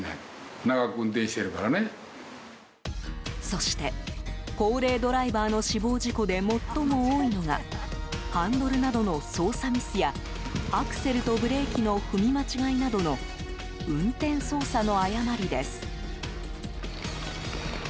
そして高齢ドライバーの死亡事故で最も多いのがハンドルなどの操作ミスやアクセルとブレーキの踏み間違いなどの運転操作の誤りです。